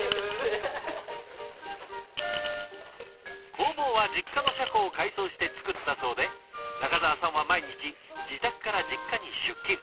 工房は実家の車庫を改装して作ったそうで仲澤さんは毎日自宅から実家に出勤。